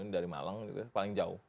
dari malang paling jauh